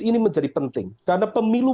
ini menjadi penting karena pemilu